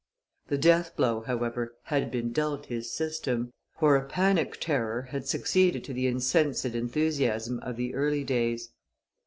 The death blow, however, had been dealt his system, for a panic terror had succeeded to the insensate enthusiasm of the early days.